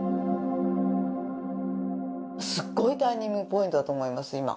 すっごいターニングポイントだと思います